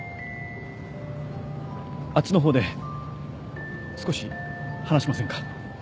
あっちの方で少し話しませんか？